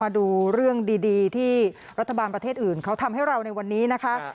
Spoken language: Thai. มาดูเรื่องดีที่รัฐบาลประเทศอื่นเขาทำให้เราในวันนี้นะคะ